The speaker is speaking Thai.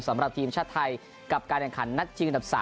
สำหรับทีมชาติไทยกับการแข่งขันนัดชิงอันดับ๓